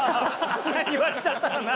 あんなに言われちゃったらな。